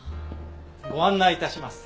ご案内致します。